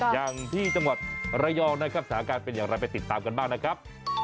อย่างที่จังหวัดระยองนะครับสถานการณ์เป็นอย่างไรไปติดตามกันบ้างนะครับ